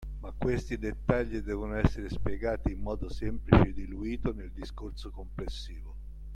Ma questi dettagli devono essere spiegati in modo semplice e diluito nel discorso complessivo.